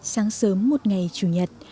sáng sớm một ngày chủ nhật